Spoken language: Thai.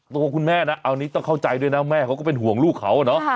ตัวคุณแม่นะเอานี้ต้องเข้าใจด้วยนะแม่เขาก็เป็นห่วงลูกเขาเนาะ